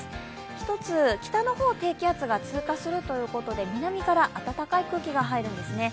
一つ、北の方、低気圧が通過するということで南から暖かい空気が入るんですね。